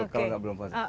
kalau enggak belum puasa